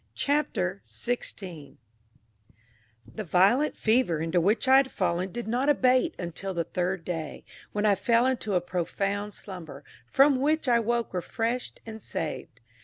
Chapter 16 The violent fever into which I had fallen did not abate until the third day, when I fell into a profound slumber, from which I woke refreshed and saved.